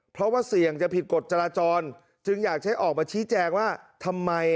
เพราะว่าเสี่ยงจะผิดกฎจราจรจึงอยากใช้ออกมาชี้แจงว่าทำไม